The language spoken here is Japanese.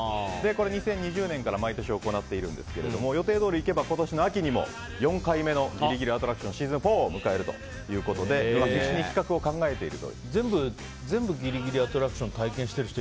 ２０２０年から毎年行っているんですが予定どおりいけば今年の秋にもぎりぎりアトラクション！はシーズン４を迎えるということで全部ぎりぎりアトラクション！